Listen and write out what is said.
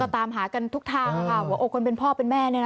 ก็ตามหากันทุกทางเขาโมก่อนเป็นพ่อเป็นแม่